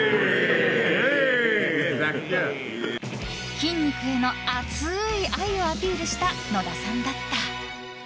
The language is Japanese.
筋肉への熱い愛をアピールした野田さんだった。